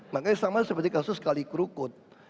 makanya sama seperti kasus kalikurukut